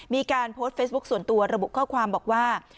มีการโพสต์เฟซบุ๊คส่วนตัวระบุข้อความบอกว่า